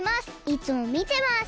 いつもみてます！